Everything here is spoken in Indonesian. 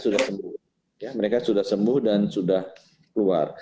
dan mereka sudah sembuh dan sudah keluar